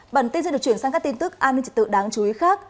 bản tin sẽ được chuyển sang các tin tức an ninh trật tự đáng chú ý khác